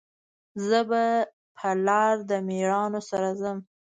زه به په لار د میړانو سره ځم